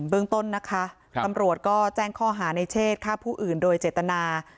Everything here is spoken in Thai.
เบื้องต้นนะคะตำรวจก็แจ้งข้อหาในเชศฆ่าผู้อื่นโดยเจตนา